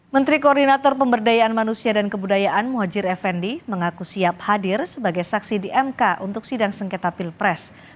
menteri koordinator pemberdayaan manusia dan kebudayaan muhajir effendi mengaku siap hadir sebagai saksi di mk untuk sidang sengketa pilpres